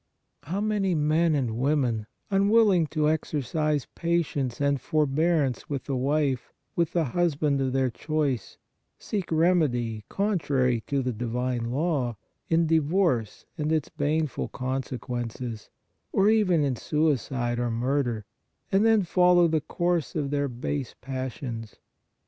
How many men and women, unwilling to exercise patience and forbearance with the wife, with the husband of their choice, seek remedy, contrary to the divine law, in divorce and its baneful conse quences, or even in suicide or murder, and then fol low the course of their base passions